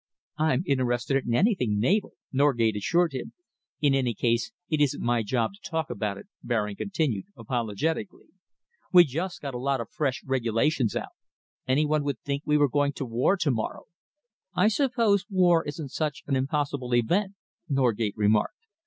"I'm interested in anything naval," Norgate assured him. "In any case, it isn't my job to talk about it," Baring continued apologetically. "We've just got a lot of fresh regulations out. Any one would think we were going to war to morrow." "I suppose war isn't such an impossible event," Norgate remarked.